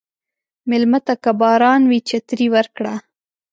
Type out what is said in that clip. مېلمه ته که باران وي، چترې ورکړه.